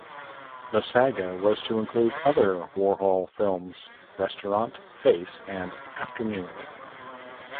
The saga was to include other Warhol films: "Restaurant", "Face", and "Afternoon".